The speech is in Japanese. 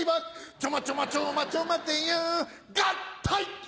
ちょまちょまちょまちょ待てよ合体！